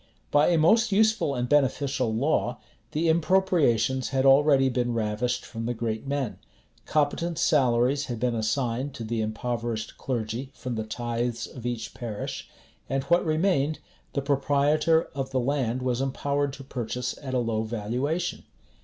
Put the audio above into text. By a most useful and beneficial law, the impropriations had already been ravished from the great men: competent salaries had been assigned to the impoverished clergy from the tithes of each parish: and what remained, the proprietor of the land was empowered to purchase at a low valuation.